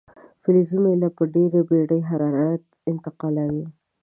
فلزي میله په ډیره بیړې حرارت انتقالوي.